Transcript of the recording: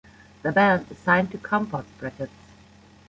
The band is signed to Compost Records.